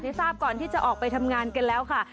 ทราบก่อนที่จะออกไปทำงานกันแล้วค่ะ